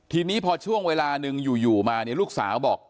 ทีนี้พอช่วงเวลาหนึ่งอยู่มาเนี่ยลูกสาวบอก